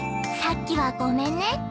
さっきはごめんね。